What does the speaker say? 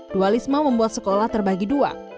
dualisme membuat sekolah terbagi dua